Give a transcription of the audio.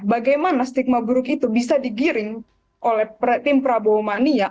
bagaimana stigma buruk itu bisa digiring oleh tim prabowo mania